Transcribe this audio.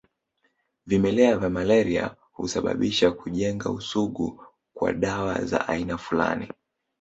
Vimelea vya malaria huweza hujenga usugu kwa dawa za aina fulani